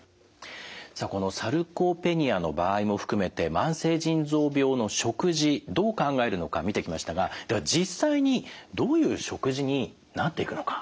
さあこのサルコペニアの場合も含めて慢性腎臓病の食事どう考えるのか見てきましたがでは実際にどういう食事になっていくのか。